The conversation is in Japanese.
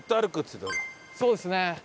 そうですね。